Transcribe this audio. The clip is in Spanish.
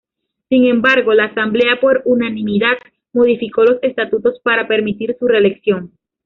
Sin embargo la Asamblea, por unanimidad, modificó los estatutos para permitir su reelección.